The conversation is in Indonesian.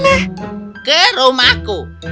pulang ke rumahku